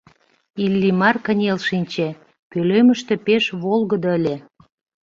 Иллимар кынел шинче, пӧлемыште пеш волгыдо ыле.